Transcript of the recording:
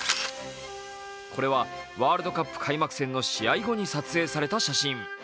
これはワールドカップ開幕戦の試合後に撮影された写真。